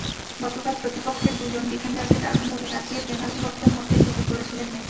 গতকাল প্রতিপক্ষের দুজন ডিফেন্ডারকে দারুণভাবে কাটিয়ে পেনাল্টি বক্সের মধ্যে ঢুকে পড়েছিলেন মেসি।